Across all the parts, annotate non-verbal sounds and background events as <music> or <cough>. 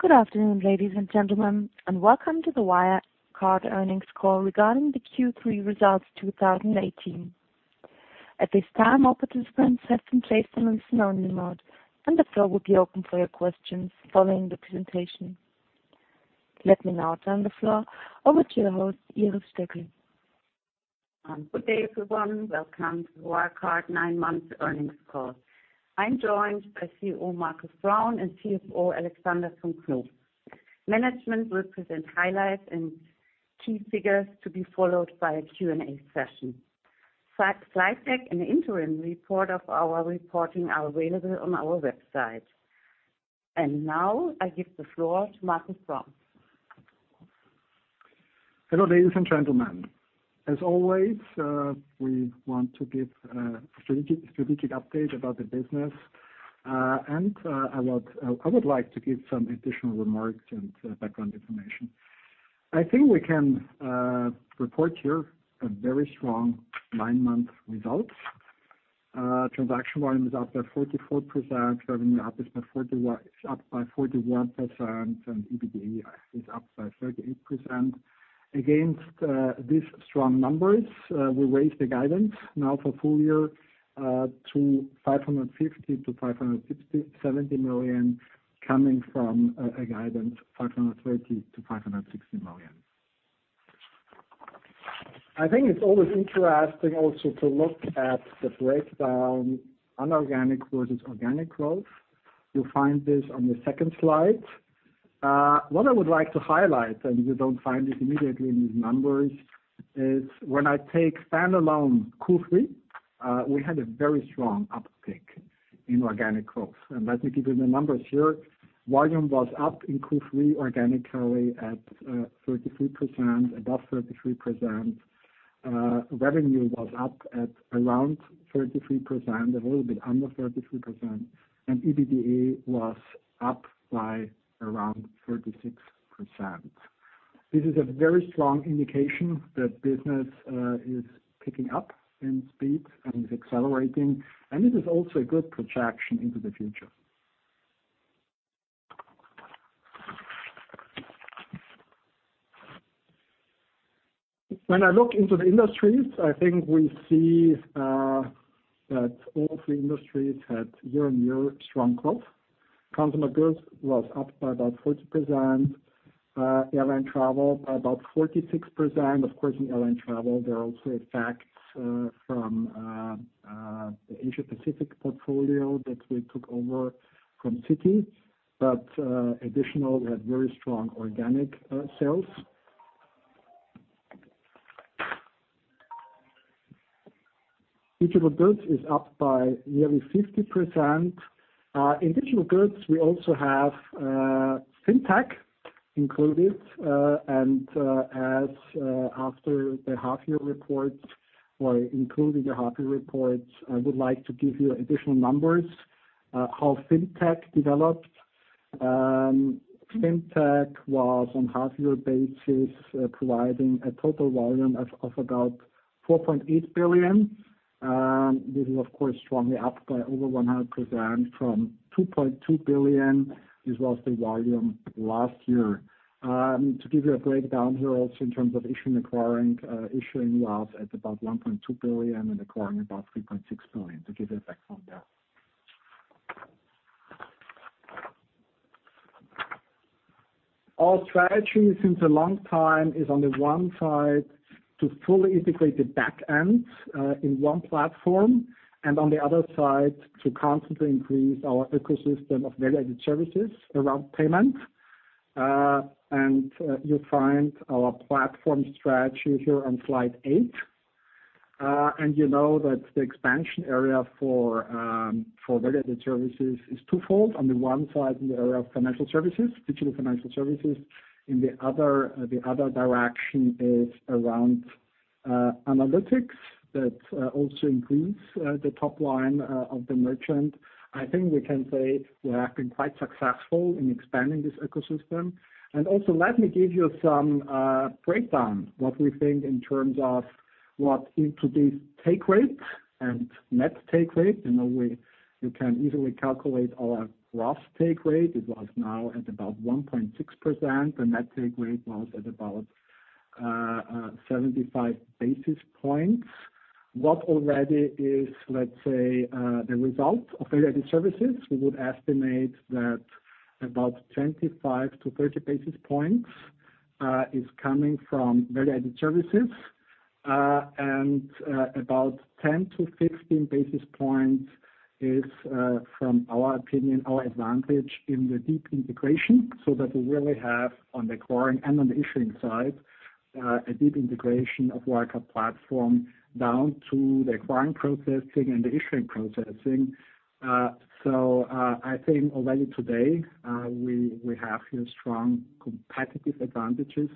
Good afternoon, ladies and gentlemen, and welcome to the Wirecard earnings call regarding the Q3 results 2018. At this time, all participants have been placed on listen-only mode, and the floor will be open for your questions following the presentation. Let me now turn the floor over to your host, Iris Stöckl. Good day, everyone. Welcome to Wirecard nine-month earnings call. I'm joined by CEO, Markus Braun, and CFO, Alexander von Knoop. Management will present highlights and key figures to be followed by a Q&A session. Such slide deck and the interim report of our reporting are available on our website. Now, I give the floor to Markus Braun. Hello, ladies and gentlemen. As always, we want to give a strategic update about the business. I would like to give some additional remarks and background information. I think we can report here a very strong nine-month result. Transaction volume is up by 44%, revenue is up by 41%, and EBITDA is up by 38%. Against these strong numbers, we raised the guidance now for full year to 550 million to 570 million, coming from a guidance 530 million to 560 million. I think it's always interesting also to look at the breakdown, inorganic versus organic growth. You'll find this on the second slide. What I would like to highlight, and you don't find it immediately in these numbers, is when I take standalone Q3, we had a very strong uptick in organic growth. Let me give you the numbers here. Volume was up in Q3 organically at 33%, above 33%. Revenue was up at around 33%, a little bit under 33%, and EBITDA was up by around 36%. This is a very strong indication that business is picking up in speed and is accelerating. This is also a good projection into the future. When I look into the industries, I think we see that all three industries had year-on-year strong growth. Consumer goods was up by about 40%, airline travel by about 46%. Of course, in airline travel, there are also effects from the Citi Asia Pacific portfolio that we took over from Citi. Additional, we had very strong organic sales. Digital goods is up by nearly 50%. In digital goods, we also have FinTech included. As after the half-year report or including the half-year report, I would like to give you additional numbers how FinTech developed. FinTech was on half-year basis providing a total volume of about 4.8 billion. This is of course, strongly up by over 100% from 2.2 billion. This was the volume last year. To give you a breakdown here also in terms of issuing/acquiring, issuing was at about 1.2 billion and acquiring about 3.6 billion to give you a background there. Our strategy since a long time is on the one side to fully integrate the back end in one platform, and on the other side, to constantly increase our ecosystem of value-added services around payment. You'll find our platform strategy here on slide eight. You know that the expansion area for value-added services is twofold. On the one side, in the area of financial services, digital financial services. In the other direction is around analytics that also increase the top line of the merchant. I think we can say we have been quite successful in expanding this ecosystem. Also, let me give you some breakdown, what we think in terms of what introduced take rate and net take rate. In a way, you can easily calculate our gross take rate. It was now at about 1.6%. The net take rate was at about 75 basis points. What already is, let's say, the result of value-added services, we would estimate that about 25 to 30 basis points is coming from value-added services. About 10 to 15 basis points is, from our opinion, our advantage in the deep integration, so that we really have on the acquiring and on the issuing side a deep integration of Wirecard platform down to the acquiring processing and the issuing processing. I think already today, we have here strong competitive advantages.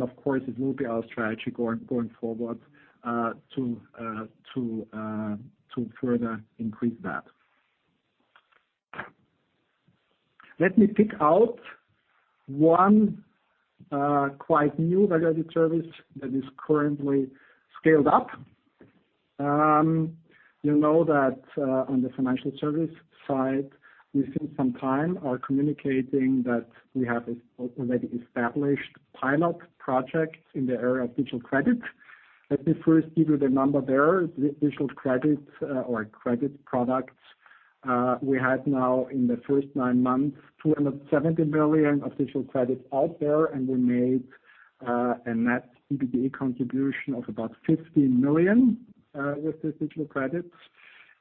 Of course, it will be our strategy going forward to further increase that. Let me pick out one quite new value-added service that is currently scaled up. You know that on the financial service side, we, since some time, are communicating that we have already established pilot projects in the area of digital credit. Let me first give you the number there. The digital credits or credit products, we have now in the first nine months, 270 million of digital credits out there, and we made a net EBITDA contribution of about 15 million with the digital credits.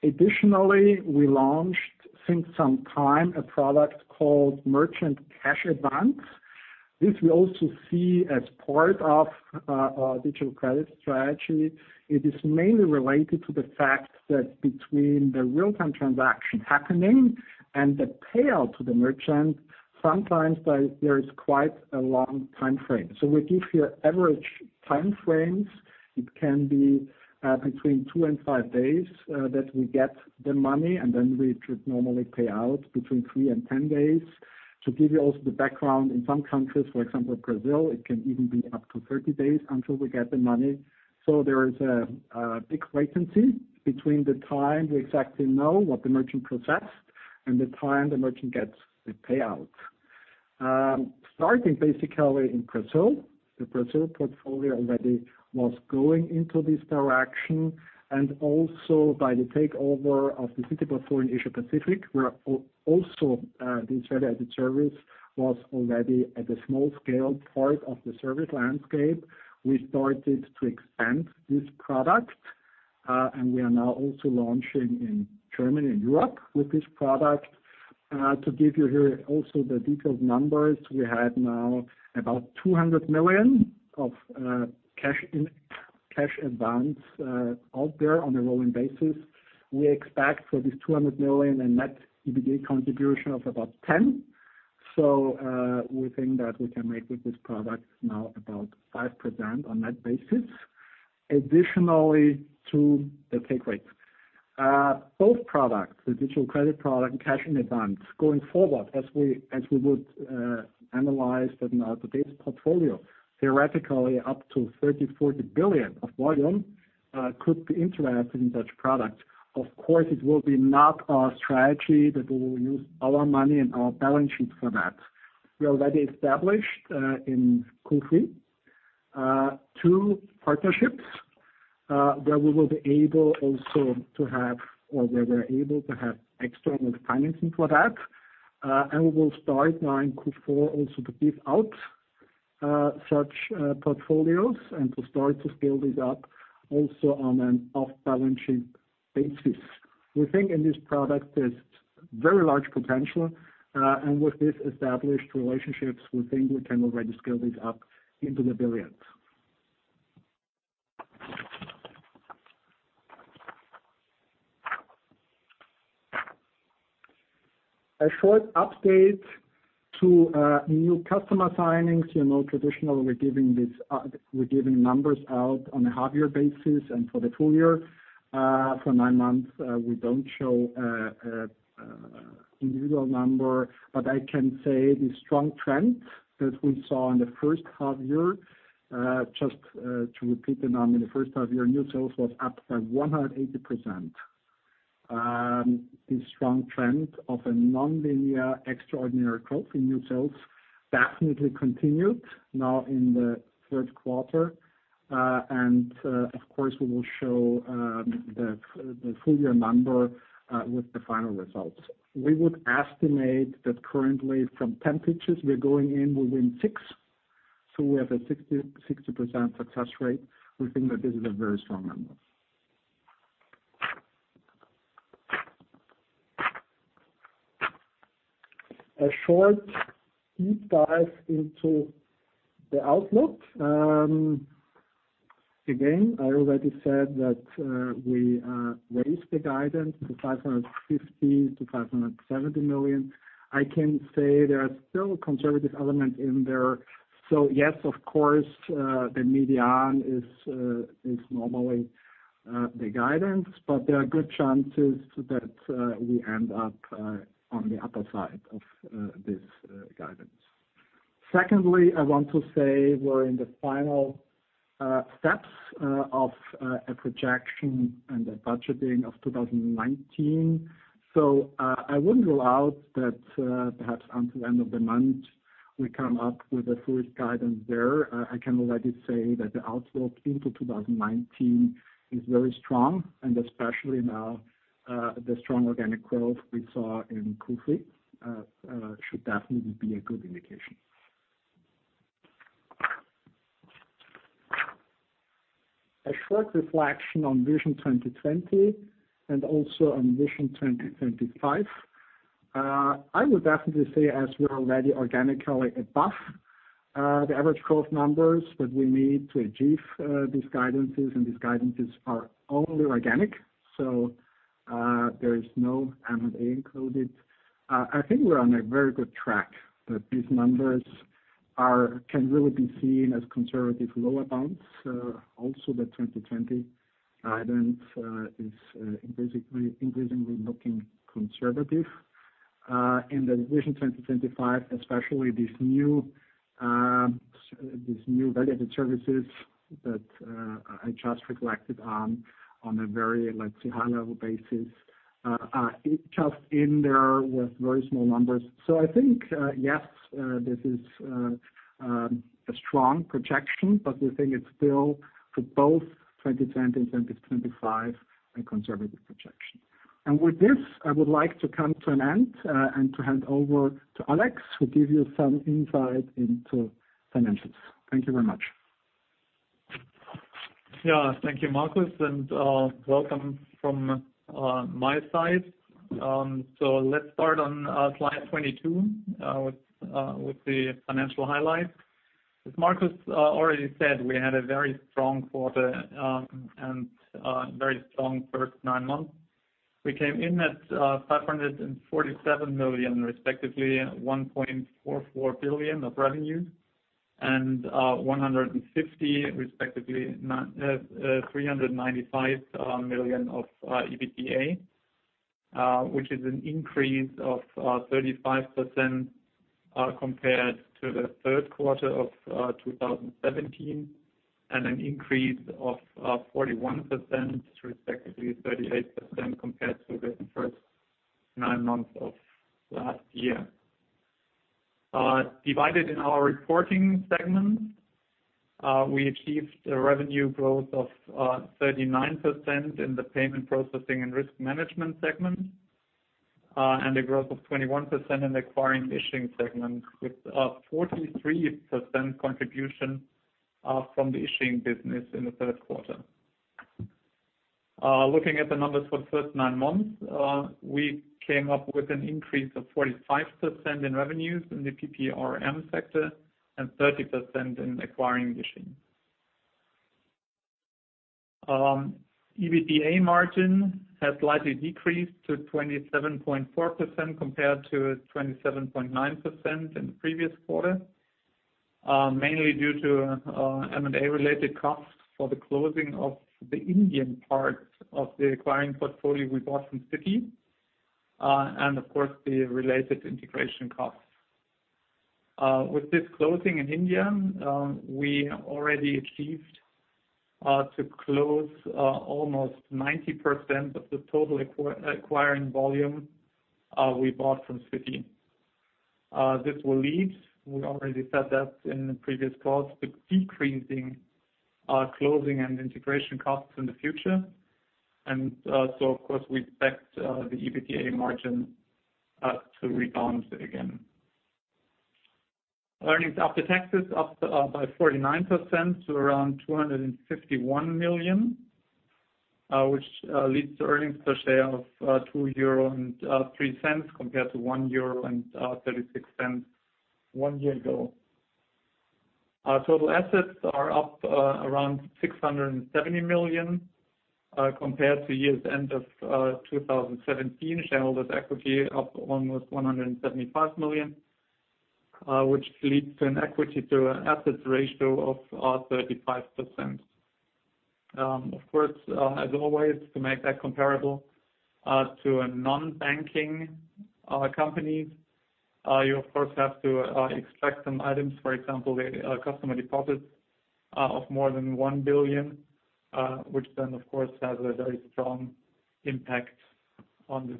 Additionally, we launched, since some time, a product called Merchant Cash Advance. This we also see as part of our digital credit strategy. It is mainly related to the fact that between the real-time transaction happening and the payout to the merchant, sometimes there is quite a long timeframe. We give here average timeframes. It can be between 2 and 5 days that we get the money, and then we should normally pay out between 3 and 10 days. To give you also the background, in some countries, for example, Brazil, it can even be up to 30 days until we get the money. There is a big latency between the time we exactly know what the merchant processed and the time the merchant gets the payout. Starting basically in Brazil, the Brazilian portfolio already was going into this direction. Also by the takeover of the Citi's portfolio in Asia Pacific, where also this value-added service was already at a small scale part of the service landscape. We started to expand this product, and we are now also launching in Germany and Europe with this product. To give you here also the detailed numbers, we have now about 200 million of Cash Advance out there on a rolling basis. We expect for this 200 million a net EBITDA contribution of about 10 million. We think that we can make with this product now about 5% on net basis. Additionally to the take rate. Both products, the digital credit product and Cash Advance, going forward, as we would analyze today's portfolio, theoretically up to 30 billion-40 billion of volume could be interacted in such products. Of course, it will be not our strategy that we will use our money and our balance sheet for that. We already established, in Q3, two partnerships, where we will be able also to have, or where we're able to have external financing for that. We will start now in Q4 also to give out such portfolios and to start to scale this up also on an off-balance-sheet basis. We think in this product there's very large potential. With this established relationships, we think we can already scale this up into the billions. A short update to new customer signings. You know traditionally, we're giving numbers out on a half-year basis and for the full year. For nine months, we don't show individual number, but I can say the strong trend that we saw in the first half year, just to repeat the number, the first half year, new sales was up by 180%. This strong trend of a nonlinear extraordinary growth in new sales definitely continued now in the third quarter. Of course we will show the full year number with the final results. We would estimate that currently from 10 pitches we're going in, we win six, so we have a 60% success rate. We think that this is a very strong number. A short deep dive into the outlook. Again, I already said that we raised the guidance to 550 million-570 million. I can say there are still conservative elements in there. Yes, of course, the median is normally the guidance, but there are good chances that we end up on the upper side of this guidance. Secondly, I want to say we're in the final steps of a projection and a budgeting of 2019. I wouldn't rule out that perhaps until the end of the month, we come up with a full guidance there. I can already say that the outlook into 2019 is very strong, especially now, the strong organic growth we saw in Q3 should definitely be a good indication. A short reflection on Vision 2020 and also on Vision 2025. I would definitely say as we are already organically above the average growth numbers that we need to achieve these guidances. These guidances are only organic, so there is no M&A included. I think we're on a very good track that these numbers can really be seen as conservative lower bounds. Also, the 2020 guidance is increasingly looking conservative. In the Vision 2025, especially these new value-added services that I just reflected on a very, let's say, high level basis, are each just in there with very small numbers. I think, yes, this is a strong projection, but we think it's still, for both 2020 and 2025, a conservative projection. With this, I would like to come to an end and to hand over to Alex, who give you some insight into financials. Thank you very much. Thank you, Markus, and welcome from my side. Let's start on slide 22 with the financial highlights. As Markus already said, we had a very strong quarter, and very strong first nine months. We came in at 547 million, respectively 1.44 billion of revenue, and 150, respectively 395 million of EBITDA. Which is an increase of 35% compared to the third quarter of 2017, and an increase of 41%, respectively 38%, compared to the first nine months of last year. Divided in our reporting segments, we achieved a revenue growth of 39% in the payment processing and risk management segment, and a growth of 21% in the acquiring/issuing segment with a 43% contribution from the issuing business in the third quarter. Looking at the numbers for the first nine months, we came up with an increase of 45% in revenues in the PPRM sector and 30% in acquiring/issuing. EBITDA margin has slightly decreased to 27.4% compared to 27.9% in the previous quarter, mainly due to M&A-related costs for the closing of the Indian part of the acquiring portfolio we bought from Citi, and of course, the related integration costs. With this closing in India, we already achieved to close almost 90% of the total acquiring volume we bought from Citi. This will lead, we already said that in the previous calls, to decreasing our closing and integration costs in the future. Of course, we expect the EBITDA margin to rebound again. Earnings after taxes up by 49% to around 251 million, which leads to earnings per share of 2.03 euro compared to 1.36 euro one year ago. Our total assets are up around 670 million compared to year's end of 2017. Shareholders' equity up almost 175 million, which leads to an equity to assets ratio of 35%. Of course, as always, to make that comparable to a non-banking company, you of course have to extract some items. For example, the customer deposits of more than 1 billion, which then, of course, has a very strong impact on this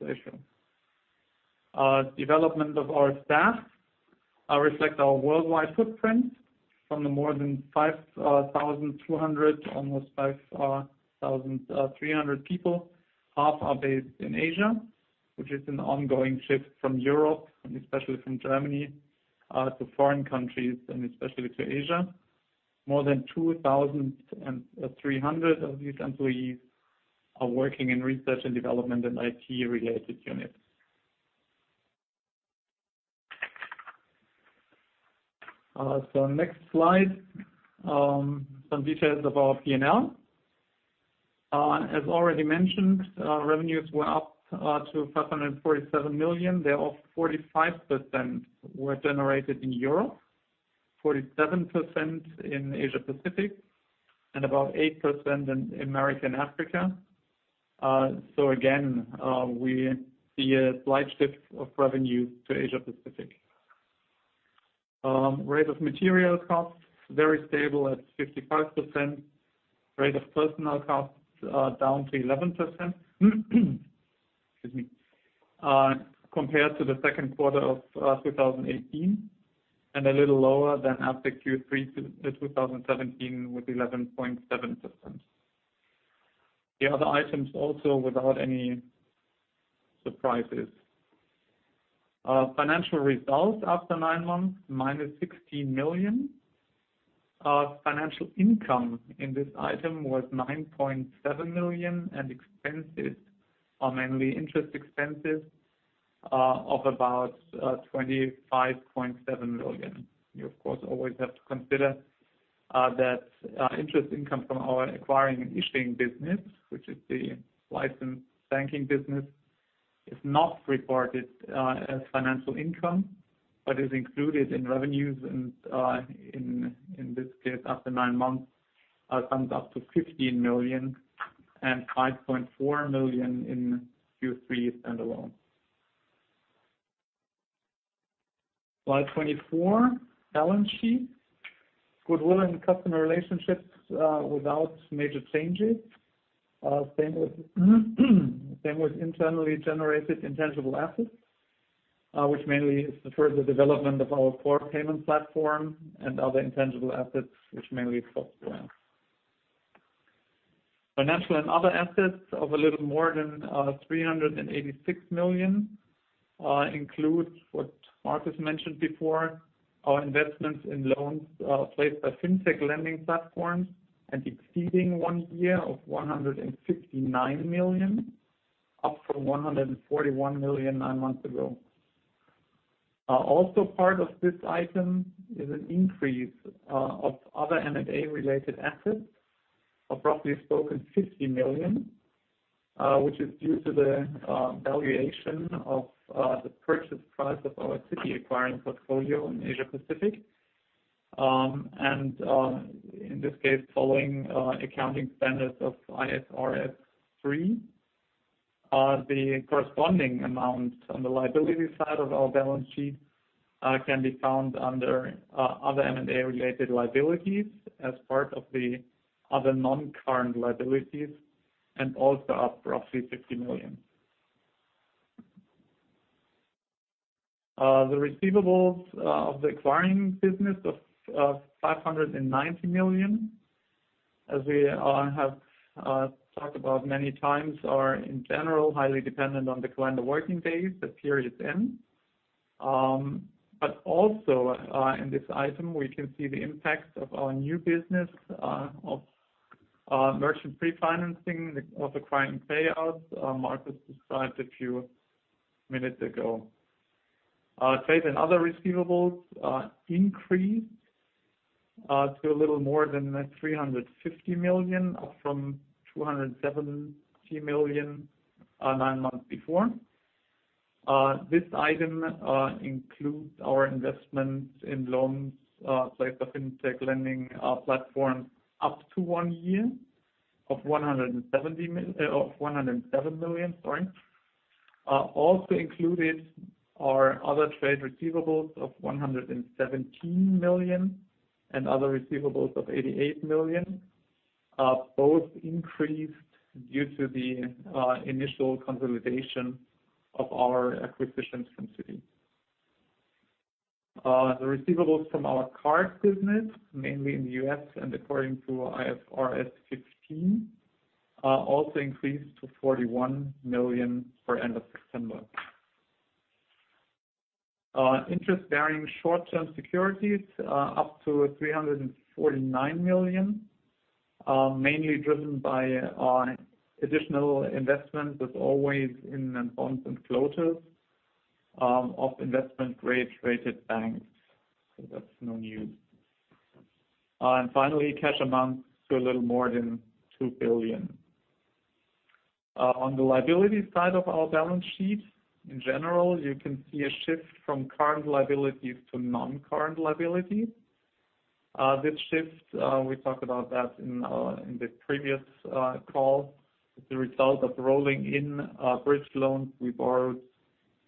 ratio. Development of our staff reflect our worldwide footprint from the more than 5,200, almost 5,300 people. Half are based in Asia, which is an ongoing shift from Europe, and especially from Germany, to foreign countries, and especially to Asia. More than 2,300 of these employees are working in research and development and IT-related units. Next slide, some details of our P&L. As already mentioned, revenues were up to 547 million. Of 45% were generated in Europe, 47% in Asia-Pacific, and about 8% in America and Africa. Again, we see a slight shift of revenue to Asia-Pacific. Rate of material costs, very stable at 55%. Rate of personnel costs are down to 11%. Excuse me. Compared to the second quarter of 2018, and a little lower than at the Q3 2017 with 11.7%. The other items also without any surprises. Financial results after nine months, minus 16 million. Financial income in this item was 9.7 million. Expenses are mainly interest expenses of about 25.7 million. You, of course, always have to consider that interest income from our acquiring and issuing business, which is the licensed banking business, is not reported as financial income, but is included in revenues and in this case, after nine months, I'll come up to 15 million and 5.4 million in Q3 standalone. Slide 24, balance sheet. Goodwill and customer relationships without major changes. Same with internally generated intangible assets, which mainly is for the development of our core payment platform and other intangible assets. Financial and other assets of a little more than 386 million includes what Markus mentioned before, our investments in loans placed by FinTech lending platforms and exceeding one year of 159 million, up from 141 million nine months ago. Also part of this item is an increase of other M&A-related assets, approximately spoken, 50 million, which is due to the valuation of the purchase price of our Citi acquiring portfolio in Asia Pacific. In this case, following accounting standards of IFRS 3, the corresponding amount on the liability side of our balance sheet can be found under other M&A related liabilities as part of the other non-current liabilities, and also up roughly 50 million. The receivables of the acquiring business of 590 million, as we have talked about many times, are in general highly dependent on the calendar working days the period ends. Also, in this item, we can see the impact of our new business of merchant pre-financing of acquiring payouts Markus described a few minutes ago. Trade and other receivables increased to a little more than 350 million, up from 270 million nine months before. This item includes our investment in loans placed by FinTech lending platforms up to one year of 107 million. Also included are other trade receivables of 117 million and other receivables of 88 million, both increased due to the initial consolidation of our acquisitions from Citi. The receivables from our card business, mainly in the U.S. and according to IFRS 15, also increased to 41 million for end of September. Interest-bearing short-term securities up to 349 million, mainly driven by additional investment as always in bonds and floaters of investment-grade rated banks. That's nothing new. Finally, cash amounts to a little more than 2 billion. On the liability side of our balance sheet, in general, you can see a shift from current liabilities to non-current liabilities. This shift, we talked about that in the previous call. It's a result of rolling in bridge loans we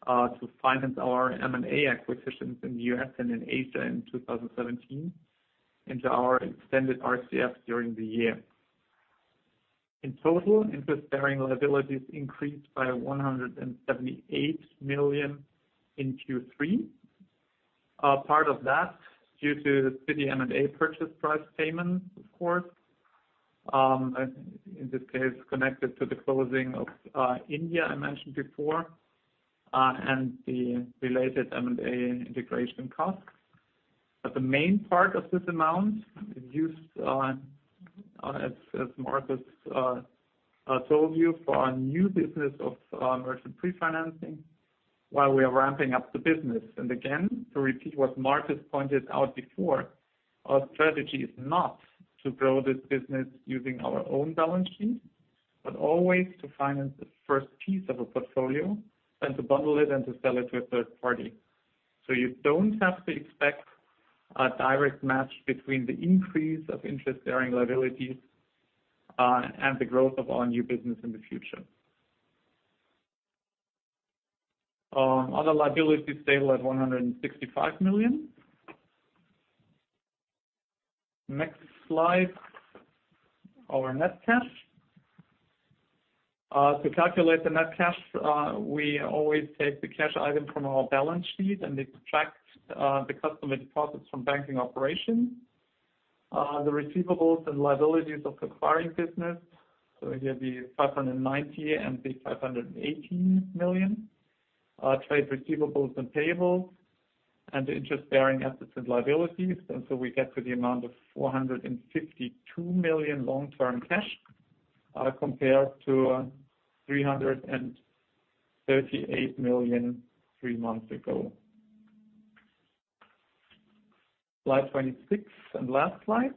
borrowed to finance our M&A acquisitions in the U.S. and in Asia in 2017 into our extended RCF during the year. In total, interest-bearing liabilities increased by 178 million in Q3. Part of that is due to the Citi M&A purchase price payment, of course, in this case, connected to the closing of India, I mentioned before, and the related M&A integration cost. The main part of this amount is used, as Markus told you, for our new business of merchant pre-financing while we are ramping up the business. Again, to repeat what Markus pointed out before, our strategy is not to grow this business using our own balance sheet, but always to finance the first piece of a portfolio and to bundle it and to sell it to a third party. You don't have to expect a direct match between the increase of interest-bearing liabilities and the growth of our new business in the future. Other liabilities stable at 165 million. Next slide, our net cash. To calculate the net cash, we always take the cash item from our balance sheet and then subtract the customer deposits from banking operations. The receivables and liabilities of acquiring business, here the 590 million and the 518 million are trade receivables and payables and the interest-bearing assets and liabilities. We get to the amount of 452 million long-term cash compared to 338 million three months ago. Slide 26 and last slide.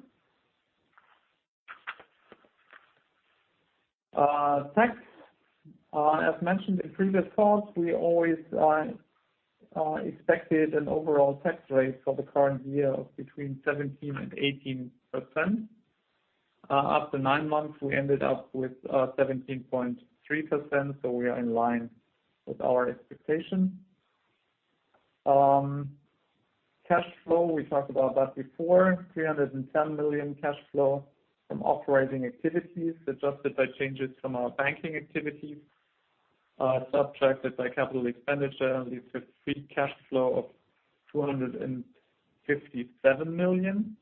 Tax. As mentioned in previous calls, we always expected an overall tax rate for the current year of between 17%-18%. After nine months, we ended up with 17.3%. We are in line with our expectation. Cash flow, we talked about that before, 310 million cash flow from operating activities, adjusted by changes from our banking activities, subtracted by capital expenditure, leaves a free cash flow of 257 million.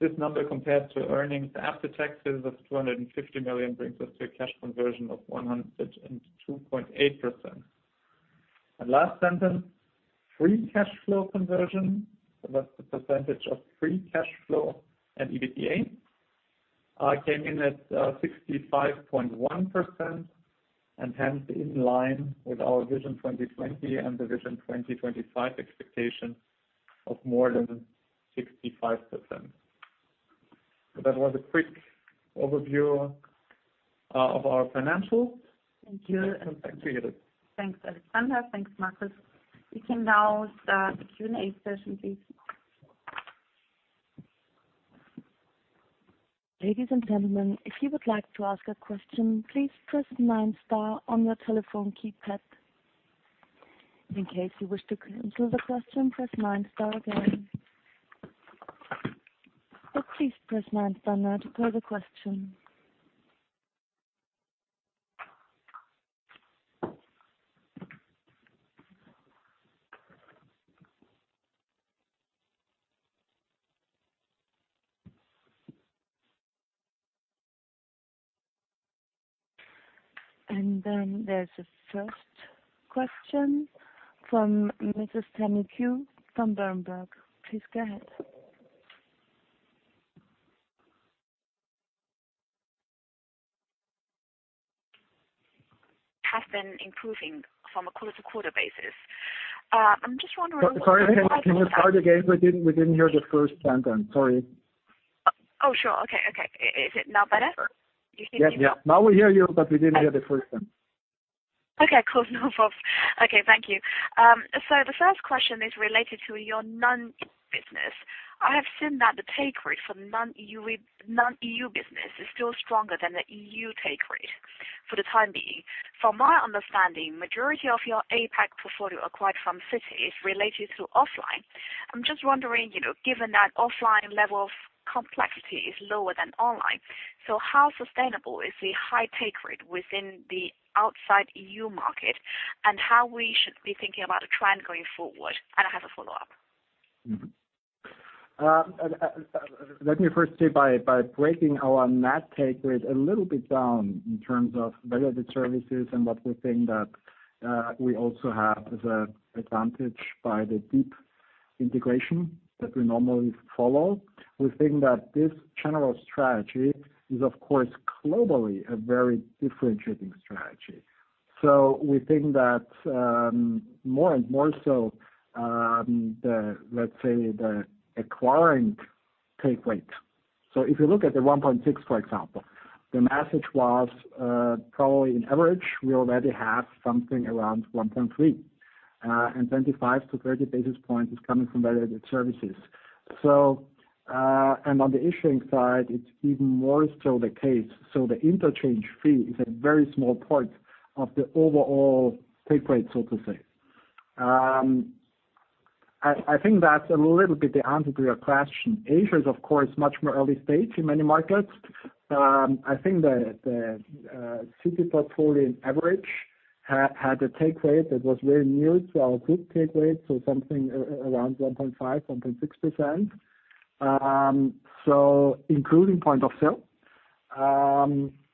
This number compares to earnings after taxes of 250 million brings us to a cash conversion of 102.8%. Last sentence, free cash flow conversion, that's the percentage of free cash flow and EBITDA, came in at 65.1% and hence in line with our Vision 2020 and the Vision 2025 expectation of more than 65%. That was a quick overview of our financials. Thank you. Back to you, Iris. Thanks, Alexander. Thanks, Markus. We can now start the Q&A session, please. Ladies and gentlemen, if you would like to ask a question, please press nine star on your telephone keypad. In case you wish to cancel the question, press nine star again. Please press nine star now to pose a question. There's a first question from Mrs. Tammy Qiu from Berenberg. Please go ahead. Has been improving from a quarter-to-quarter basis. I'm just wondering. Sorry, can you start again? We didn't hear the first sentence, sorry. Oh, sure. Okay. Is it now better? You think you can hear? Yeah. Now we hear you. We didn't hear the first sentence. Okay, cool. No problem. Okay, thank you. The first question is related to your non-EU business. I have seen that the take rate for non-EU business is still stronger than the EU take rate for the time being. From my understanding, majority of your APAC portfolio acquired from Citi is related to offline. I'm just wondering, given that offline level of complexity is lower than online, how sustainable is the high take rate within the outside EU market? How we should be thinking about the trend going forward? I have a follow-up. Let me first say by breaking our net take rate a little bit down in terms of value-added services and what we think that we also have as a advantage by the deep integration that we normally follow. We think that this general strategy is, of course, globally a very differentiating strategy. We think that more and more so, let's say the acquiring take rate. If you look at the 1.6, for example, the message was probably on average, we already have something around 1.3. 25 to 30 basis points is coming from value-added services. On the issuing side, it's even more so the case. The interchange fee is a very small part of the overall take rate, so to say. I think that's a little bit the answer to your question. Asia is, of course, much more early stage in many markets. I think the Citi portfolio in average had a take rate that was very near to our group take rate, something around 1.5%, 1.6%. Including point of sale.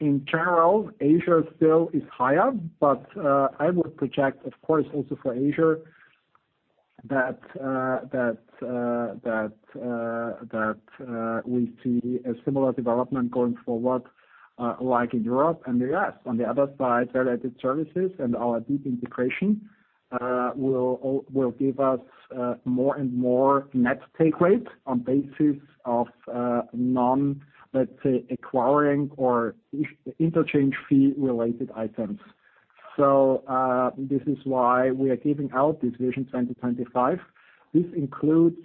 In general, Asia still is higher, but I would project, of course, also for Asia, that we see a similar development going forward, like in Europe and the U.S. On the other side, value-added services and our deep integration will give us more and more net take rate on basis of non, let's say, acquiring or interchange fee-related items. This is why we are giving out this Vision 2025. This includes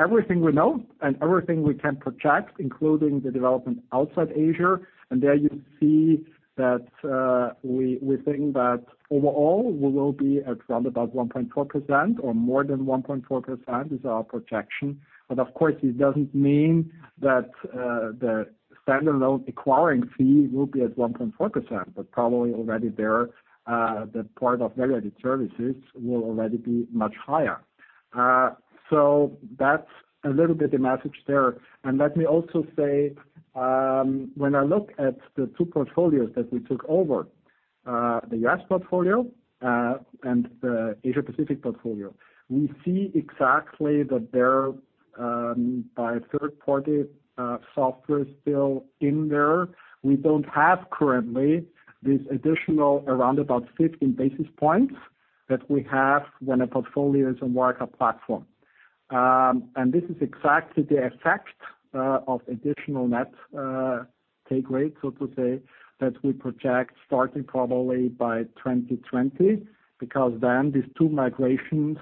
everything we know and everything we can project, including the development outside Asia. There you see that we think that overall we will be at round about 1.4% or more than 1.4% is our projection. Of course, it doesn't mean that the standalone acquiring fee will be at 1.4%, but probably already there, the part of value-added services will already be much higher. That's a little bit the message there. Let me also say, when I look at the two portfolios that we took over, the U.S. portfolio, and the Asia-Pacific portfolio. We see exactly that their third-party software still in there. We don't have currently this additional around about 15 basis points that we have when a portfolio is on Wirecard platform. This is exactly the effect of additional net take rate, so to say, that we project starting probably by 2020, because then these two migrations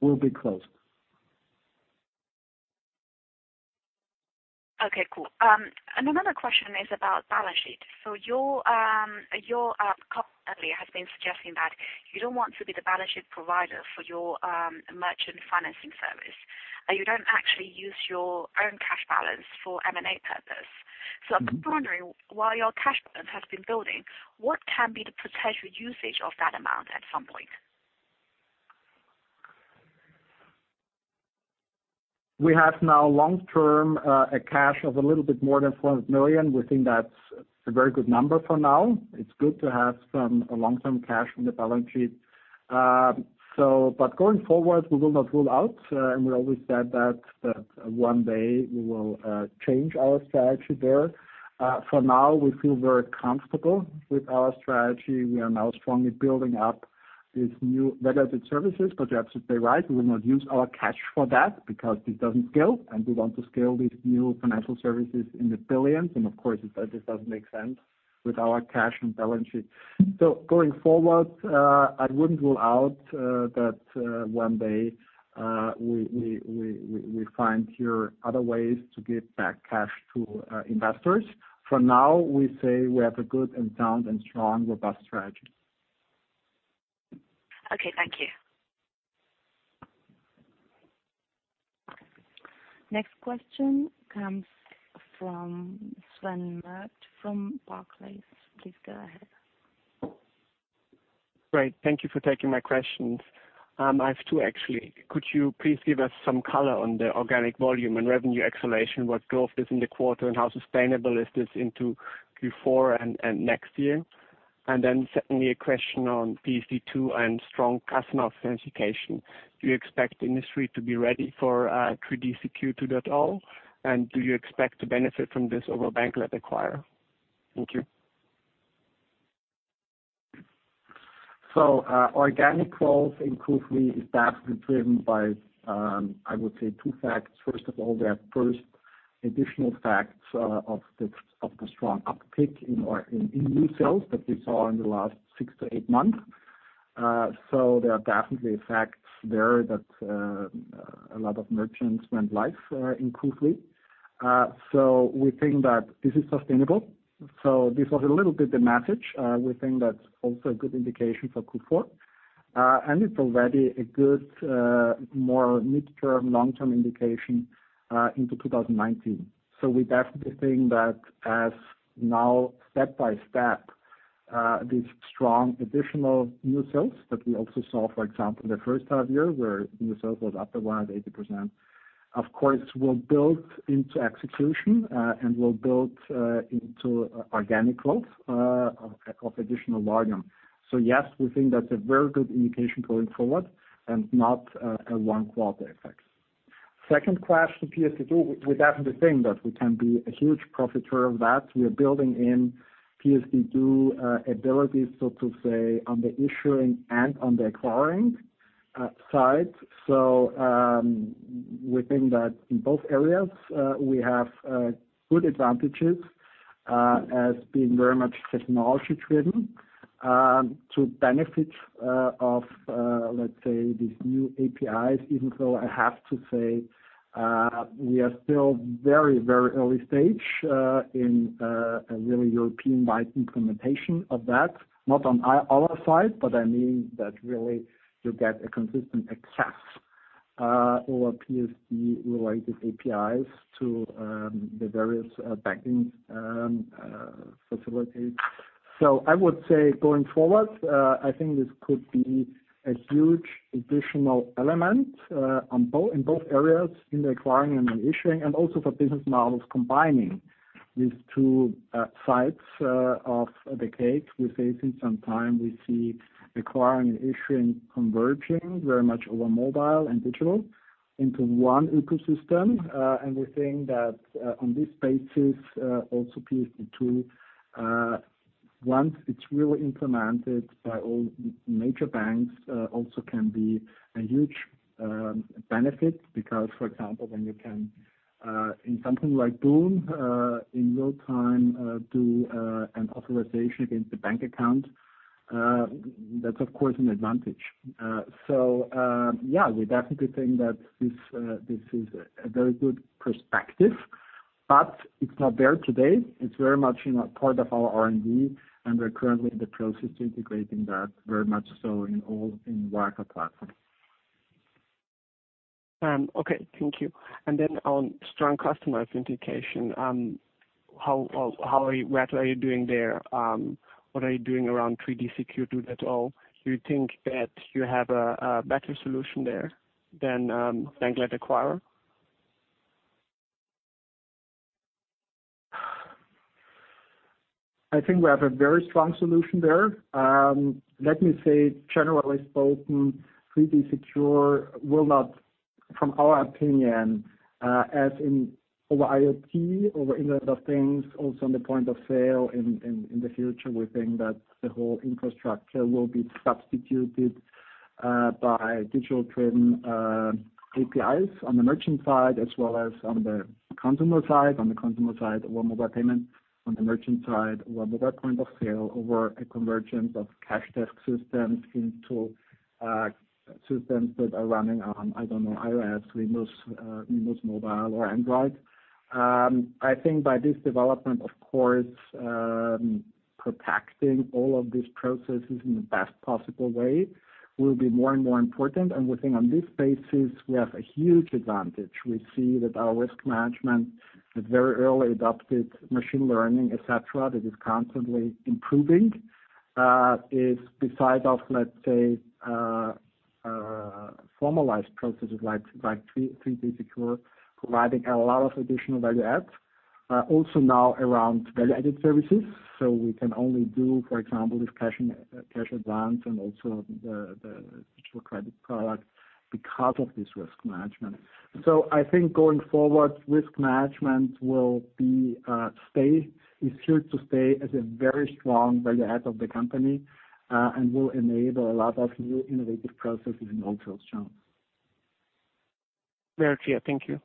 will be closed. Okay, cool. Another question is about balance sheet. Your company has been suggesting that you don't want to be the balance sheet provider for your merchant financing service, and you don't actually use your own cash balance for M&A purpose. I'm just wondering, while your cash balance has been building, what can be the potential usage of that amount at some point? We have now long-term cash of a little bit more than 100 million. We think that's a very good number for now. It's good to have some long-term cash in the balance sheet. Going forward, we will not rule out, and we always said that one day we will change our strategy there. For now, we feel very comfortable with our strategy. We are now strongly building up these new value-added services. You're absolutely right, we will not use our cash for that because this doesn't scale, and we want to scale these new financial services in the billions. Of course, this doesn't make sense with our cash and balance sheet. Going forward, I wouldn't rule out that one day, we find here other ways to give back cash to investors. For now, we say we have a good and sound and strong, robust strategy. Okay. Thank you. Next question comes from Sven Merkt from Barclays. Please go ahead. Great. Thank you for taking my questions. I have two, actually. Could you please give us some color on the organic volume and revenue acceleration, what growth is in the quarter, and how sustainable is this into Q4 and next year? Secondly, a question on PSD2 and Strong Customer Authentication. Do you expect the industry to be ready for 3D-Secure 2.0, and do you expect to benefit from this over bank-led acquirer? Thank you. Organic growth in Q3 is definitely driven by, I would say two facts. First of all, there are first additional facts of the strong uptick in new sales that we saw in the last six to eight months. There are definitely facts there that a lot of merchants went live in Q3. We think that this is sustainable. This was a little bit the message. We think that's also a good indication for Q4. It's already a good, more midterm, long-term indication into 2019. We definitely think that as now step by step, these strong additional new sales that we also saw, for example, in the first half year, where new sales was up around 80%, of course, will build into execution, and will build into organic growth of additional volume. Yes, we think that's a very good indication going forward and not a one-quarter effect. Second question, PSD2, we definitely think that we can be a huge profit driver of that. We are building in PSD2 abilities, so to say, on the issuing and on the acquiring side. We think that in both areas, we have good advantages as being very much technology-driven, to benefit of, let's say, these new APIs, even though I have to say, we are still very early stage in a really European-wide implementation of that. Not on our side, but I mean that really you get a consistent access over PSD-related APIs to the various banking facilities. I would say going forward, I think this could be a huge additional element in both areas, in the acquiring and in issuing and also for business models combining these two sides of the cake. We say since some time, we see acquiring and issuing converging very much over mobile and digital into one ecosystem. We think that on this basis, also PSD2, once it's really implemented by all major banks, also can be a huge benefit. Because, for example, when you can, in something like boon, in real-time, do an authorization against the bank account, that's of course an advantage. Yeah, we definitely think that this is a very good perspective, but it's not there today. It's very much part of our R&D, and we're currently in the process of integrating that very much so in all in Wirecard platform. Okay. Thank you. Then on Strong Customer Authentication, what are you doing there? What are you doing around 3D Secure 2.0? Do you think that you have a better solution there than bank-led acquirer? I think we have a very strong solution there. Let me say, generally spoken, 3-D Secure will not, from our opinion, as in over IoT, over Internet of Things, also on the point of sale in the future, we think that the whole infrastructure will be substituted by digital-driven APIs on the merchant side as well as on the consumer side. On the consumer side, one mobile payment, on the merchant side, one mobile point of sale over a convergence of cash desk systems into systems that are running on, I don't know, iOS, Windows Mobile, or Android. I think by this development, of course, protecting all of these processes in the best possible way will be more and more important. We think on this basis, we have a huge advantage. We see that our risk management has very early adopted machine learning, et cetera, that is constantly improving. Is beside of, let's say, formalized processes like 3-D Secure, providing a lot of additional value adds. Also now around value-added services. We can only do, for example, this Cash Advance and also the digital credit product because of this risk management. I think going forward, risk management is here to stay as a very strong value add of the company, and will enable a lot of new innovative processes and also channels. Very clear. Thank you.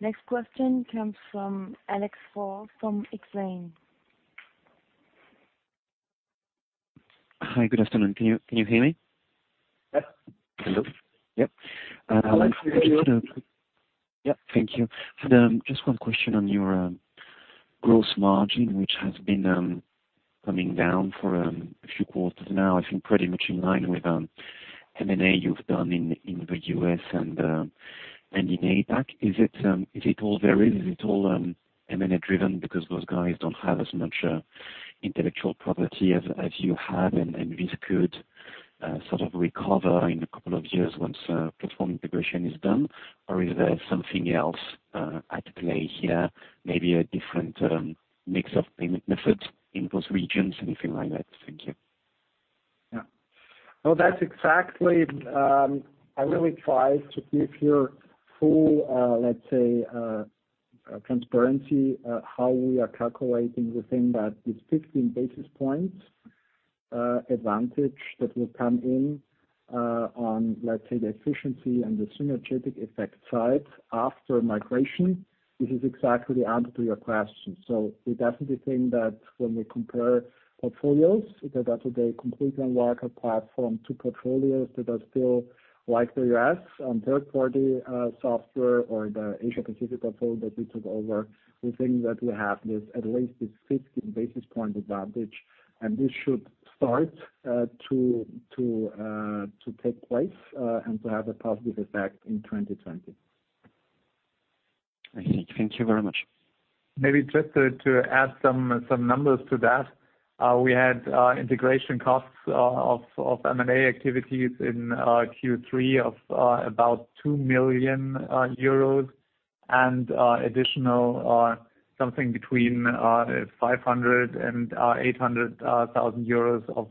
Next question comes from Alex Faure from Exane. Hi, good afternoon. Can you hear me? Yes. Hello? Yep. We can hear you. Thank you. Just one question on your gross margin, which has been coming down for a few quarters now, I think pretty much in line with M&A you've done in the U.S. and in APAC. Is it all varied? Is it all M&A-driven because those guys don't have as much intellectual property as you have, and this could sort of recover in a couple of years once platform integration is done? Or is there something else at play here, maybe a different mix of payment methods in those regions, anything like that? Thank you. Yeah. No, that's exactly. I really try to give here full transparency how we are calculating the thing that this 15 basis points advantage that will come in on, let's say, the efficiency and the synergetic effect side after migration. This is exactly the answer to your question. We definitely think that when we compare portfolios, that are today completely on Wirecard platform, to portfolios that are still like the U.S. on third-party software or the Asia Pacific portfolio that we took over, we think that we have at least this 15 basis point advantage, and this should start to take place and to have a positive effect in 2020. Okay. Thank you very much. Maybe just to add some numbers to that. We had integration costs of M&A activities in Q3 of about 2 million euros and additional something between 500,000 and 800,000 euros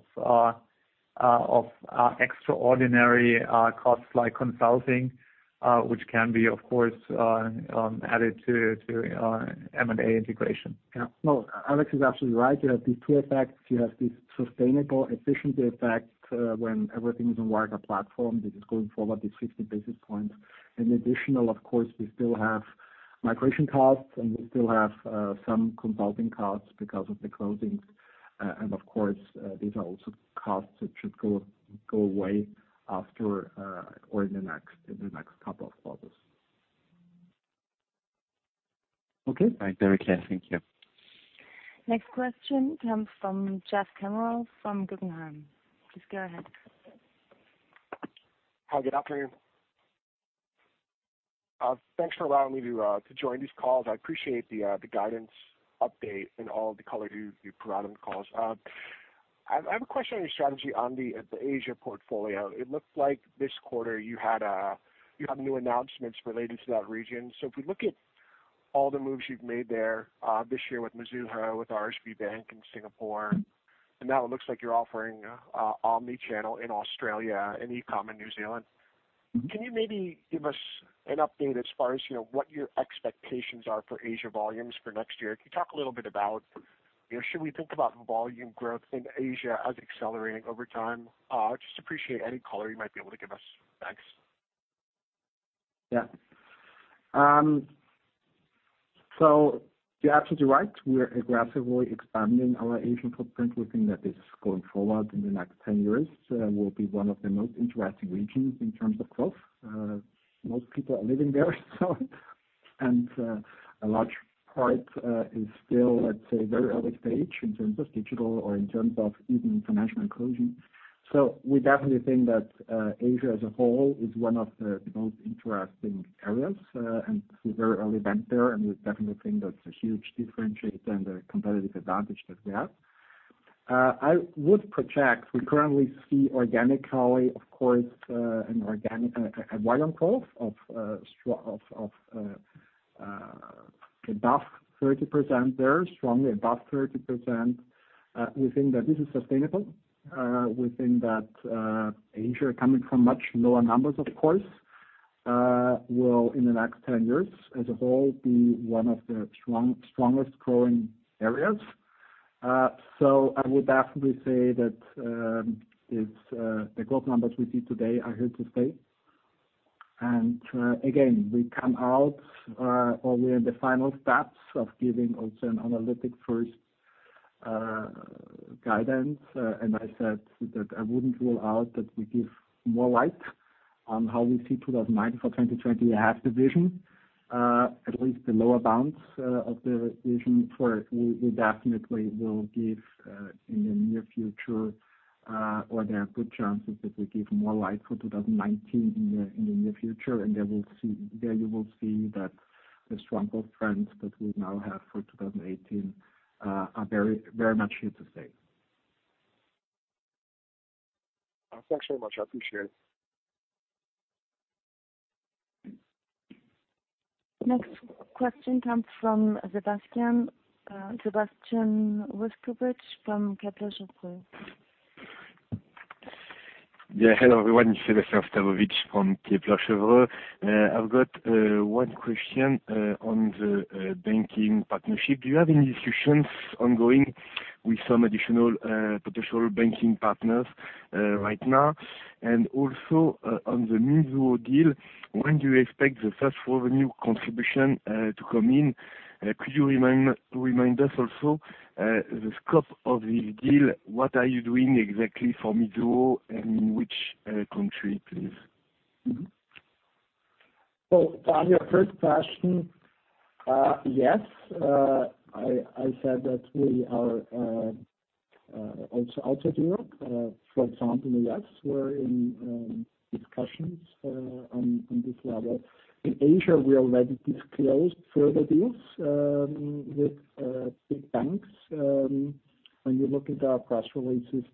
of extraordinary costs like consulting, which can be, of course, added to M&A integration. Yeah. No, Alex is absolutely right. You have these two effects. You have this sustainable efficiency effect when everything is on Wirecard platform. This is going forward, this 15 basis points. Additional, of course, we still have migration costs. We still have some consulting costs because of the closings. Of course, these are also costs that should go away after or in the next couple of quarters. Okay. Very clear. Thank you. Next question comes from Jeff Cantwell from Guggenheim. Please go ahead. Hi, good afternoon. Thanks for allowing me to join these calls. I appreciate the guidance update and all the color you provide on the calls. I have a question on your strategy on the Asia portfolio. It looks like this quarter you have new announcements relating to that region. If we look at all the moves you've made there this year with Mizuho, with DBS Bank in Singapore, and now it looks like you're offering omnichannel in Australia and e-com in New Zealand. Can you maybe give us an update as far as what your expectations are for Asia volumes for next year? Can you talk a little bit about should we think about volume growth in Asia as accelerating over time? I just appreciate any color you might be able to give us. Thanks. Yeah. You're absolutely right. We're aggressively expanding our Asian footprint. We think that this, going forward in the next 10 years, will be one of the most interesting regions in terms of growth. Most people are living there and a large part is still, let's say, very early stage in terms of digital or in terms of even financial inclusion. We definitely think that Asia as a whole is one of the most interesting areas, and we're very early present there, and we definitely think that's a huge differentiator and a competitive advantage that we have. I would project, we currently see organically, of course, a volume growth of above 30% there, strongly above 30%. We think that this is sustainable. We think that Asia coming from much lower numbers, of course, will in the next 10 years as a whole, be one of the strongest growing areas. I would definitely say that the growth numbers we see today are here to stay. Again, we come out, or we're in the final steps of giving also an analyst first guidance. I said that I wouldn't rule out that we give more light on how we see 2019 for 2020, half of Vision, at least the lower bounds of the Vision. We definitely will give in the near future or there are good chances that we give more light for 2019 in the near future. There you will see that the strong growth trends that we now have for 2018 are very much here to stay. Thanks very much. I appreciate it. Next question comes from Sébastien Sztabowicz from Kepler Cheuvreux. Yeah. Hello everyone. Sébastien Sztabowicz from Kepler Cheuvreux. I've got one question on the banking partnership. Do you have any discussions ongoing with some additional potential banking partners right now, and also, on the Mizuho deal, when do you expect the first revenue contribution to come in? Could you remind us also, the scope of this deal? What are you doing exactly for Mizuho and in which country, please? On your first question, yes. I said that we are also out of Europe. For example, U.S. we're in discussions on this level. In Asia, we already disclosed further deals with big banks, when you look at our press releases.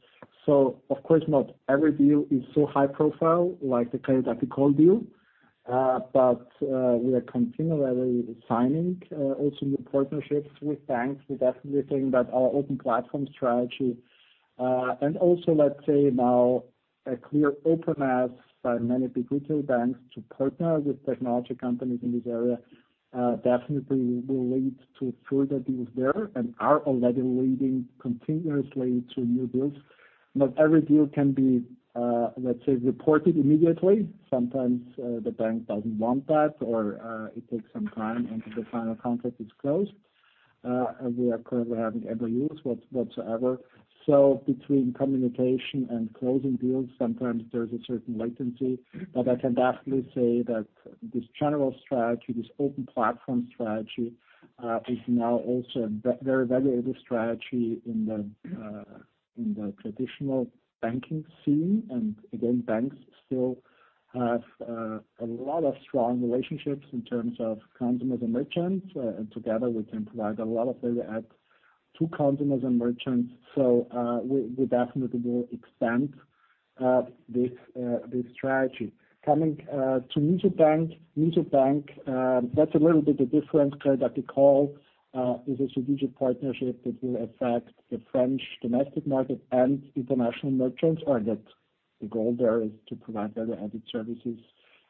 Of course not every deal is so high profile like the Crédit Agricole deal. We are continually signing also new partnerships with banks. We definitely think that our open platform strategy, and also let's say now a clear open ask by many big retail banks to partner with technology companies in this area, definitely will lead to further deals there and are already leading continuously to new deals. Not every deal can be, let's say, reported immediately. Sometimes, the bank doesn't want that or it takes some time until the final contract is closed. We are currently having MOUs whatsoever. Between communication and closing deals, sometimes there's a certain latency. I can definitely say that this general strategy, this open platform strategy, is now also a very valuable strategy in the traditional banking scene. Again, banks still have a lot of strong relationships in terms of consumers and merchants. Together we can provide a lot of value adds to consumers and merchants. We definitely will expand this strategy. Coming to Mizuho Bank, that's a little bit different. Crédit Agricole is a strategic partnership that will affect the French domestic market and international merchants, or that the goal there is to provide value-added services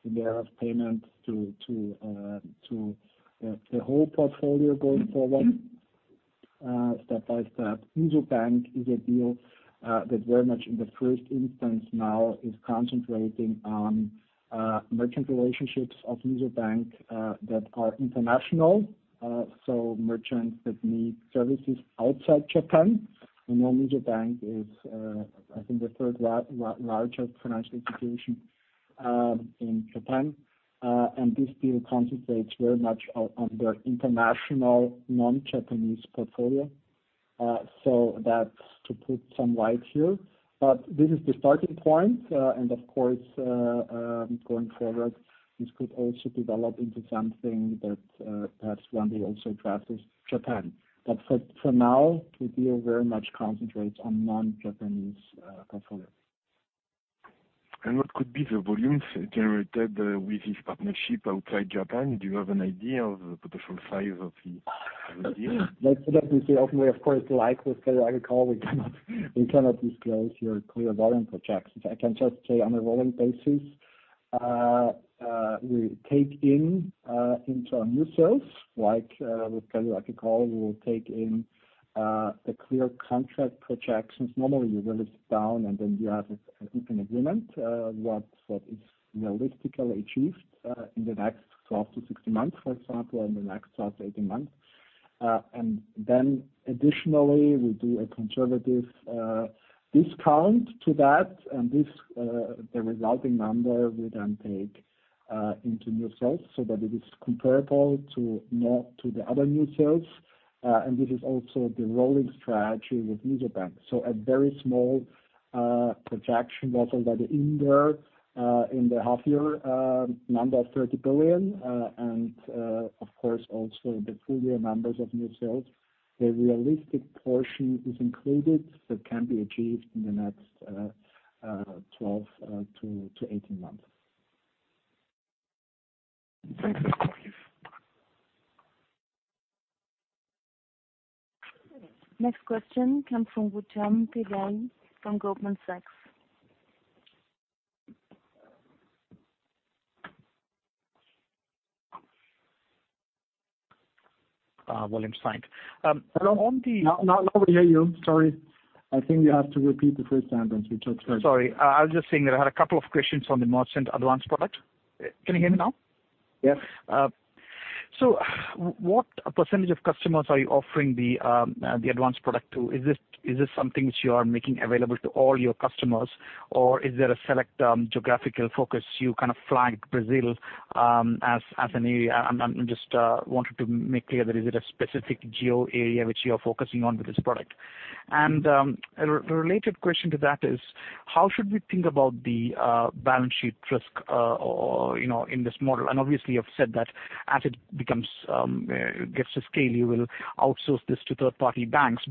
in the area of payment to the whole portfolio going forward step-by-step. Mizuho Bank is a deal that very much in the first instance now is concentrating on merchant relationships of Mizuho Bank that are international. Merchants that need services outside Japan. We know Mizuho Bank is, I think the third largest financial institution in Japan. This deal concentrates very much on their international, non-Japanese portfolio. That's to put some light here. This is the starting point, and of course, going forward, this could also develop into something that perhaps one day also addresses Japan. For now, the deal very much concentrates on non-Japanese portfolios. What could be the volumes generated with this partnership outside Japan? Do you have an idea of the potential size of the deal? That's what I can say openly. Of course, like with Crédit Agricole, we cannot disclose here clear volume projections. I can just say on a rolling basis, we take in into our new sales, like with Crédit Agricole, we will take in the clear contract projections. Normally, we sit down and then we have, I think, an agreement, what is realistically achieved in the next 12-16 months, for example, in the next 12-18 months. Additionally, we do a conservative discount to that and the resulting number we then take into new sales so that it is comparable to the other new sales. This is also the rolling strategy with Mizuho Bank. A very small projection was already in there, in the half-year number of 30 billion, and of course also the full-year numbers of new sales. The realistic portion is included that can be achieved in the next 12 to 18 months. Thank you. Next question comes from Gautam Pillai from Goldman Sachs. <audio distortion> No, we can't hear you. Sorry. I think you have to repeat the first sentence, which was- Sorry. I was just saying that I had a couple of questions on the merchant advance product. Can you hear me now? Yes. What percentage of customers are you offering the advance product to? Is this something which you are making available to all your customers, or is there a select geographical focus? You kind of flagged Brazil as an area. I just wanted to make clear that is it a specific geo area which you are focusing on with this product. A related question to that is, how should we think about the balance sheet risk in this model? Obviously, you have said that as it gets to scale, you will outsource this to third-party banks.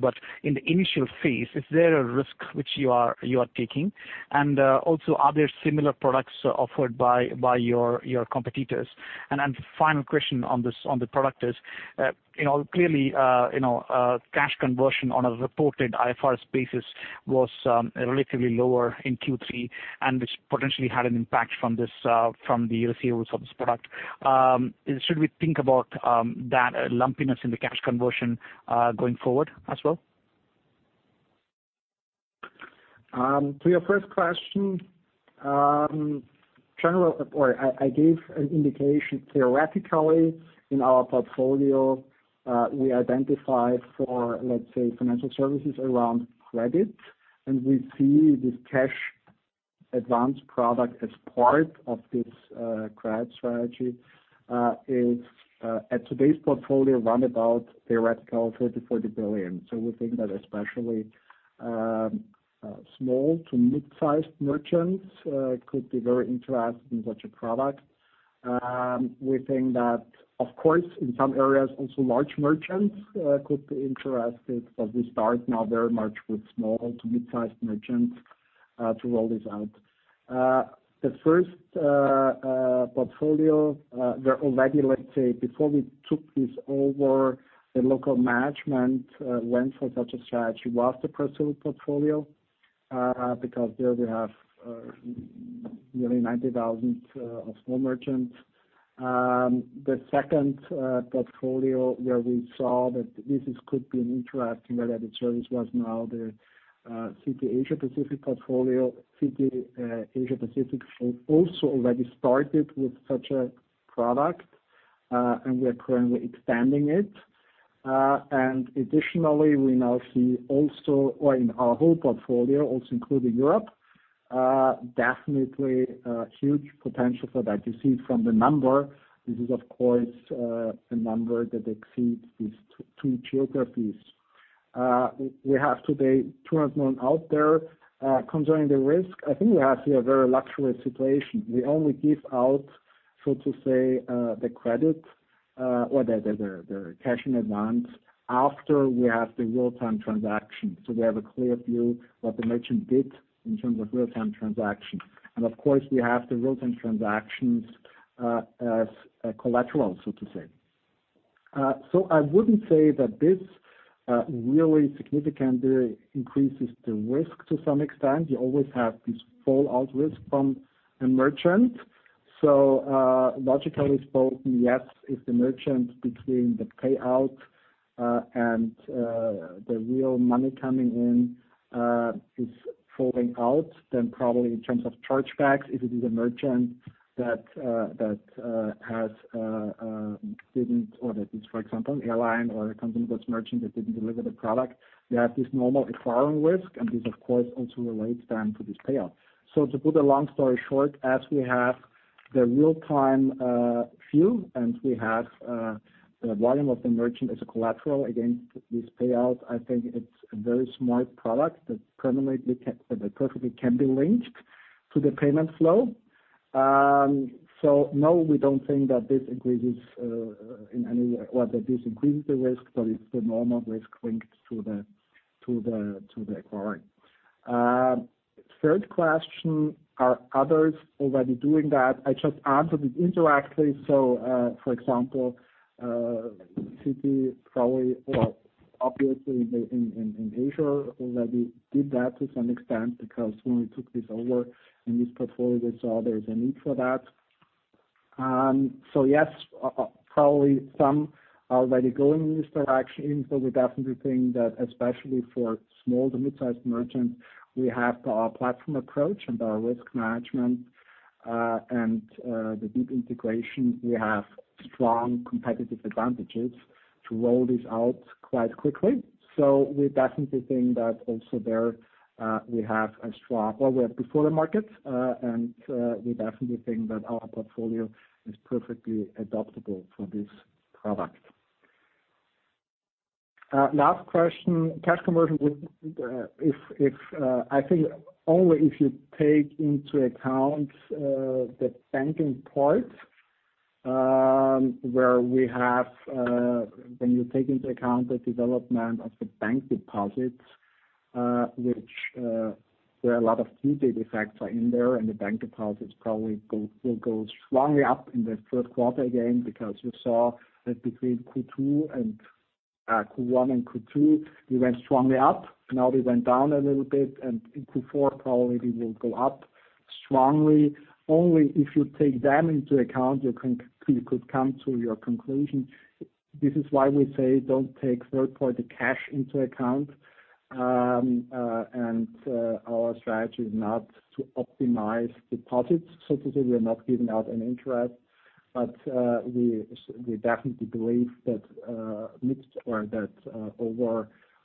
In the initial phase, is there a risk which you are taking? Also, are there similar products offered by your competitors? Final question on the product is, clearly, cash conversion on a reported IFRS basis was relatively lower in Q3, which potentially had an impact from the receivables of this product. Should we think about that lumpiness in the cash conversion, going forward as well? To your first question, I gave an indication theoretically in our portfolio, we identified for, let's say, financial services around credit, and we see this Cash Advance product as part of this credit strategy. At today's portfolio run about theoretical 30 billion-40 billion. We think that especially small to mid-sized merchants could be very interested in such a product. We think that, of course, in some areas, also large merchants could be interested, but we start now very much with small to mid-sized merchants to roll this out. The first portfolio, let's say, before we took this over, the local management went for such a strategy was the Brazilian portfolio, because there we have nearly 90,000 of small merchants. The second portfolio where we saw that this could be an interesting, where the service was now the Citi Asia Pacific portfolio. Citi Asia Pacific also already started with such a product, We are currently expanding it. Additionally, we now see also in our whole portfolio, also including Europe, definitely a huge potential for that. You see from the number, this is of course, a number that exceeds these two geographies. We have today 200 million out there. Concerning the risk, I think we have here a very luxurious situation. We only give out, so to say, the credit, or the Cash Advance after we have the real-time transaction. We have a clear view what the merchant did in terms of real-time transaction. Of course, we have the real-time transactions as a collateral, so to say. I wouldn't say that this really significantly increases the risk to some extent. You always have this fallout risk from a merchant. Logically spoken, yes, if the merchant between the payout and the real money coming in is falling out, Probably in terms of chargebacks, if it is a merchant that is, for example, an airline or a company that's merchant that didn't deliver the product, we have this normal acquiring risk, and this of course also relates then to this payout. To put a long story short, as we have the real-time view and we have the volume of the merchant as a collateral against this payout, I think it's a very smart product that perfectly can be linked to the payment flow. No, we don't think that this increases the risk, but it's the normal risk linked to the acquiring. Third question, are others already doing that? I just answered it interactively. For example, Citi probably, or obviously in Asia, already did that to some extent, because when we took this over in this portfolio, they saw there is a need for that. Yes, probably some already going in this direction, We definitely think that especially for small to mid-sized merchants, we have our platform approach and our risk management, and the deep integration, we have strong competitive advantages to roll this out quite quickly. We definitely think that also there, we have a strong. Well, we are before the market, and we definitely think that our portfolio is perfectly adaptable for this product. Last question, cash conversion. I think only if you take into account the banking part, when you take into account the development of the bank deposits, which there are a lot of key data facts in there, and the bank deposits probably will go strongly up in the third quarter again, because you saw that between Q1 and Q2, we went strongly up. Now we went down a little bit, and in Q4, probably we will go up strongly. Only if you take that into account, you could come to your conclusion. This is why we say don't take third-party cash into account. Our strategy is not to optimize deposits, so to say, we're not giving out an interest. We definitely believe that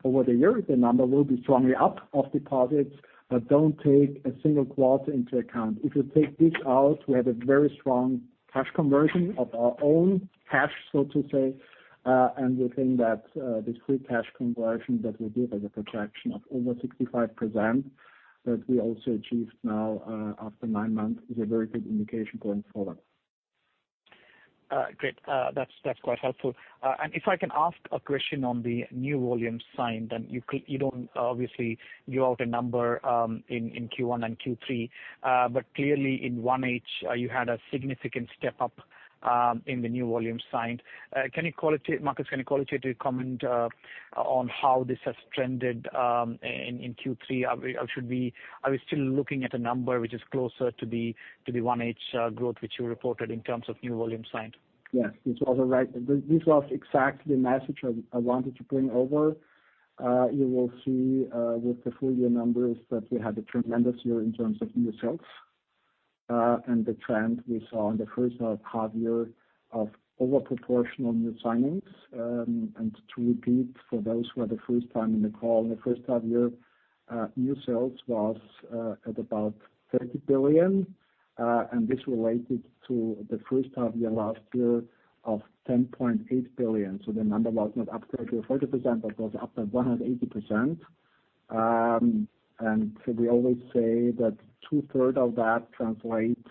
over the year, the number will be strongly up of deposits, but don't take a single quarter into account. If you take this out, we have a very strong cash conversion of our own cash, so to say. We think that this free cash conversion that we give as a projection of over 65%, that we also achieved now after nine months, is a very good indication going forward. Great. That's quite helpful. If I can ask a question on the new volume signed, you don't obviously give out a number in Q1 and Q3. Clearly in 1H, you had a significant step up in the new volume signed. Markus, can you qualitatively comment on how this has trended in Q3? Are we still looking at a number which is closer to the 1H growth which you reported in terms of new volume signed? Yes. This was exactly the message I wanted to bring over. You will see with the full year numbers that we had a tremendous year in terms of new sales. The trend we saw in the first half year of over proportional new signings. To repeat for those who are the first time in the call, in the first half year, new sales was at about 30 billion. This related to the first half year last year of 10.8 billion. The number was not up 30%, but was up at 180%. We always say that two-third of that translates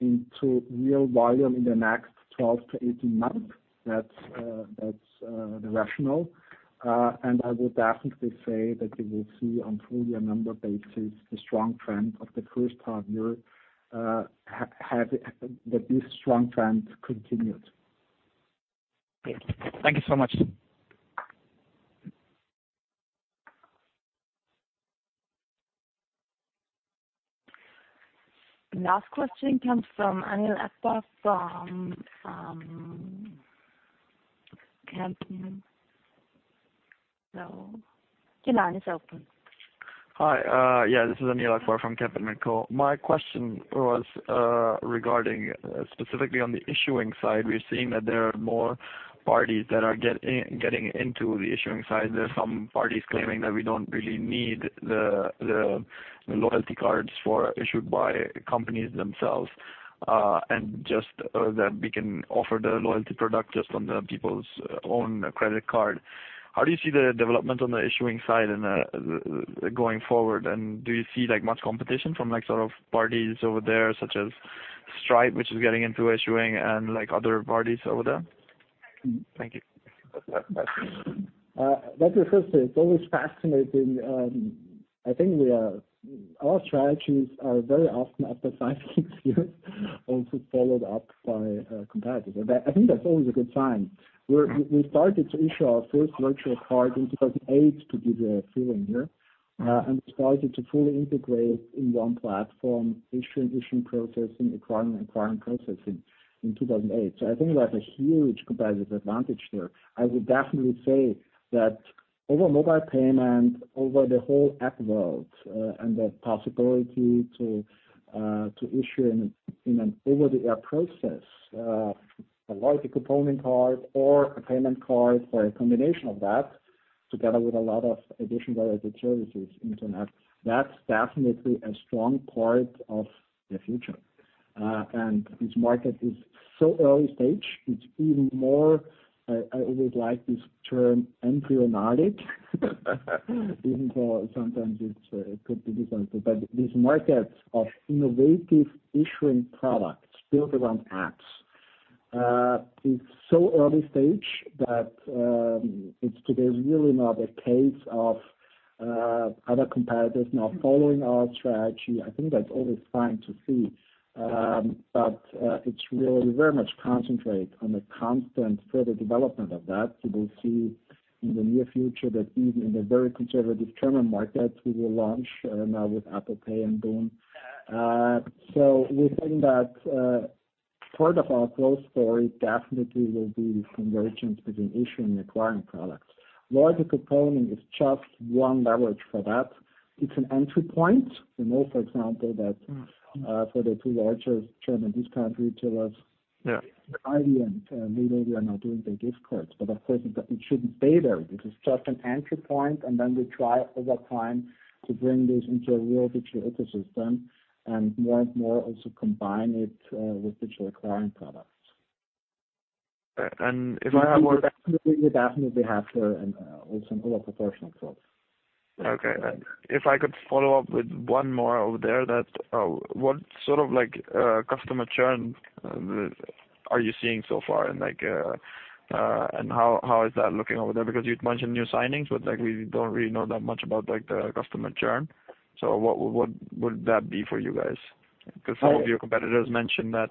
into real volume in the next 12-18 months. That's the rationale. I would definitely say that you will see on full year number basis, the strong trend of the first half year, that this strong trend continued. Great. Thank you so much. Last question comes from Anil Akbar from Kempen. Your line is open. Hi. Yeah, this is Anil Akbar from Kempen Capital. My question was regarding specifically on the issuing side. We're seeing that there are more parties that are getting into the issuing side. There's some parties claiming that we don't really need the loyalty cards issued by companies themselves, and just that we can offer the loyalty product just on the people's own credit card. How do you see the development on the issuing side going forward, and do you see much competition from parties over there, such as Stripe, which is getting into issuing and other parties over there? Thank you. Let me first say, it's always fascinating. I think our strategies are very often after five, six years, also followed up by competitors. I think that's always a good sign. We started to issue our first virtual card in 2008 to give you a feeling here. We started to fully integrate in one platform issuing processing, acquiring and acquiring processing in 2008. I think we have a huge competitive advantage there. I would definitely say that over mobile payment, over the whole app world, and the possibility to issue in an over-the-air process, a loyalty component card or a payment card or a combination of that, together with a lot of additional related services into an app, that's definitely a strong part of the future. This market is so early stage, it's even more, I always like this term, embryonic. Even though sometimes it could be different, but this market of innovative issuing products built around apps, is so early stage that it's today really not a case of other competitors now following our strategy. I think that's always fine to see. It's really very much concentrate on the constant further development of that. You will see in the near future that even in the very conservative German market, we will launch now with Apple Pay and boon. We think that part of our growth story definitely will be the convergence between issuing and acquiring products. Loyalty component is just one leverage for that. It's an entry point. We know, for example, that for the two largest German discount retailers- Yeah Aldi and Lidl, we are now doing their discounts. Of course, it shouldn't stay there. This is just an entry point, and then we try over time to bring this into a real digital ecosystem, and more and more also combine it with digital acquiring products. If I- We definitely have here some over proportional growth. Okay. If I could follow up with one more over there. What sort of customer churn are you seeing so far, and how is that looking over there? You'd mentioned new signings, but we don't really know that much about the customer churn. What would that be for you guys? Some of your competitors mentioned that.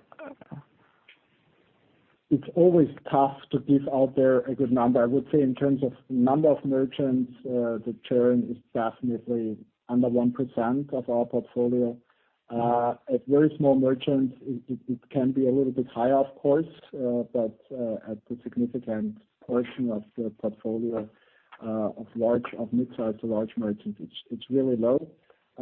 It's always tough to give out there a good number. I would say in terms of number of merchants, the churn is definitely under 1% of our portfolio. At very small merchants, it can be a little bit higher, of course, but at the significant portion of the portfolio, of midsize to large merchants, it's really low.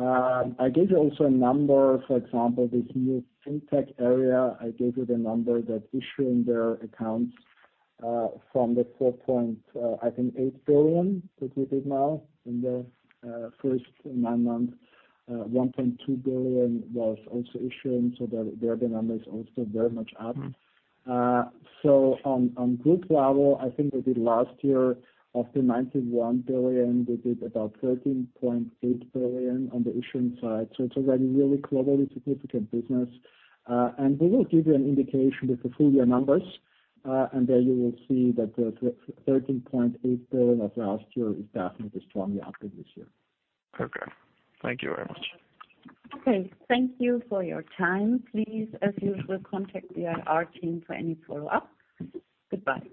I gave you also a number, for example, this new FinTech area, I gave you the number that's issuing their accounts from the 4.8 billion that we did now in the first nine months, 1.2 billion was also issuing. There the number is also very much up. On group level, we did last year of the 91 billion, we did about 13.8 billion on the issuing side. It's already really globally significant business. We will give you an indication with the full year numbers. There you will see that the 13.8 billion of last year is definitely strongly up this year. Okay. Thank you very much. Okay. Thank you for your time. Please, as usual, contact the IR team for any follow-up. Goodbye.